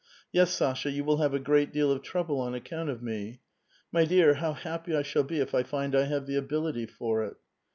Yes, Sasha, you will have a great deal of trouble on account of me. My dear, how happy I shall be if I find I have the ability for it."